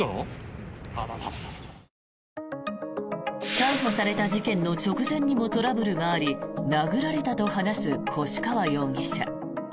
逮捕された事件の直前にもトラブルがあり殴られたと話す越川容疑者。